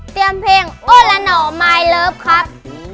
เตรียมเพลงโอลาหนอมายเลิฟครับ